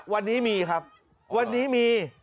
วันนี้มีครับวันนี้มี